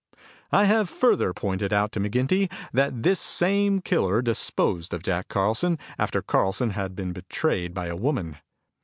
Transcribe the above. "I have further pointed out to McGinty, that this same killer disposed of Jack Carlson, after Carlson had been betrayed by a woman.